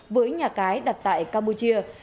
với nhà cái đặt tại campuchia